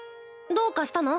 どうかしたの？